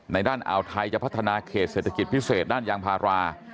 ด้านอ่าวไทยจะพัฒนาเขตเศรษฐกิจพิเศษด้านยางพารา